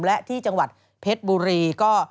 และที่จังหวัดเพชรบุรีก็